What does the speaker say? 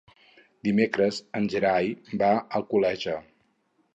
Dimecres en Gerai va a Alcoleja.